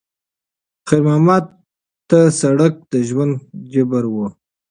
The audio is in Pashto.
خیر محمد ته سړک د ژوند جبر و.